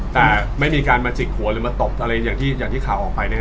แต่ไม่มีการมาจิกหัวหรือมาตบอะไรอย่างที่ข่าวออกไปนะครับ